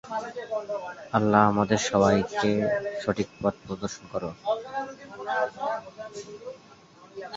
এটি একটি শিব মন্দির হলেও ইতিহাসবিদরা নিশ্চিত নন যে নির্মাণকালে কোন দেবতার প্রতি এটিকে উৎসর্গ করা হয়েছিল।